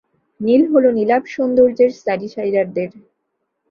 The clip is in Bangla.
নীল হল নীলাভ সৌন্দর্যের শ্যাডিসাইডার দের।